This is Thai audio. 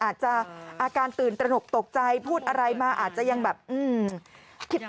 อาจจะอาการตื่นตระหนกตกใจพูดอะไรมาอาจจะยังแบบอืม